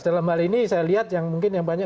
dalam hal ini saya lihat yang mungkin yang banyak